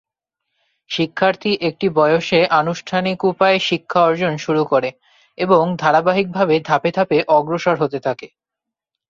শিক্ষার্থী একটি বয়সে আনুষ্ঠানিক উপায়ে শিক্ষা অর্জন শুরু করে এবং ধারাবাহিকভাবে ধাপে ধাপে অগ্রসর হতে থাকে।